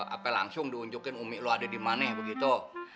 apa langsung diunjukin umi lo ada di mana begitu